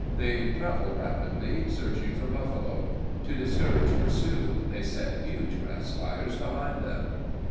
They traveled rapidly, searching for buffalo. To discourage pursuit, they set huge grass fires behind them.